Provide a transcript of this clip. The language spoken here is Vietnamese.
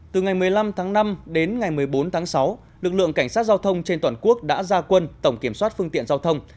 từ ngày một mươi năm tháng năm đến ngày một mươi bốn tháng sáu lực lượng cảnh sát giao thông trên toàn quốc đã ra quân tổng kiểm soát phương tiện giao thông